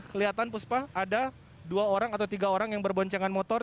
kelihatan puspa ada dua orang atau tiga orang yang berboncengan motor